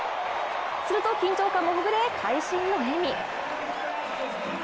すると緊張感もほぐれ会心の笑み。